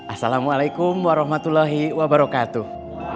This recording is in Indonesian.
assalamualaikum warahmatullahi wabarakatuh